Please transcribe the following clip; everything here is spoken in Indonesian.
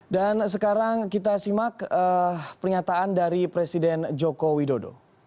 dan sekarang kita simak pernyataan dari presiden joko widodo